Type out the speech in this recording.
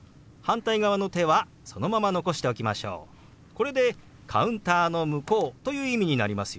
これでカウンターの向こうという意味になりますよ。